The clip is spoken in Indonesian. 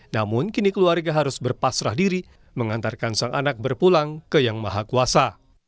namun kini keluarga harus berpasrah diri mengantarkan sang anak berpulang ke yang maha kuasa